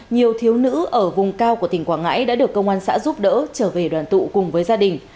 nhiều thiếu nữ ở vùng cao của tỉnh quảng ngãi đã được công an xã giúp đỡ trở về đoàn tụ cùng với gia đình